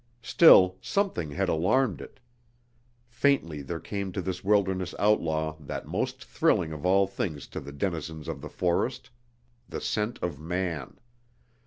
Still, something had alarmed it. Faintly there came to this wilderness outlaw that most thrilling of all things to the denizens of the forest the scent of man.